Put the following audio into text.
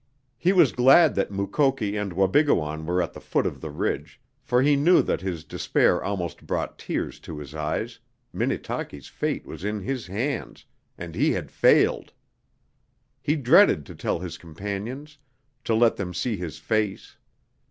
He was glad that Mukoki and Wabigoon were at the foot of the ridge, for he knew that his despair almost brought tears to his eyes, Minnetaki's fate was in his hands and he had failed. He dreaded to tell his companions, to let them see his face.